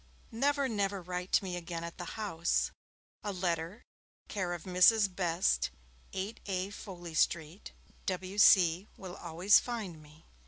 Never, never write to me again at the house. A letter, care of Mrs. Best, 8A Foley Street, W.C., will always find me.